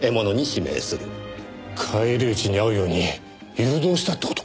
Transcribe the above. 返り討ちにあうように誘導したって事？